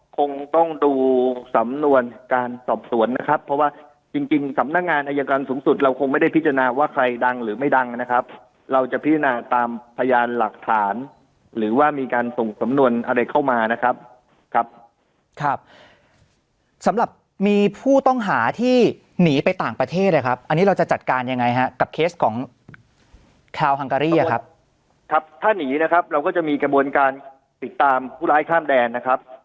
โกงประชาชนร่วมกันเช่าโกงประชาชนร่วมกันเช่าโกงประชาชนร่วมกันเช่าโกงประชาชนร่วมกันเช่าโกงประชาชนร่วมกันเช่าโกงประชาชนร่วมกันเช่าโกงประชาชนร่วมกันเช่าโกงประชาชนร่วมกันเช่าโกงประชาชนร่วมกันเช่าโกงประชาชนร่วมกันเช่าโกงประชาชนร่วมกันเช่าโ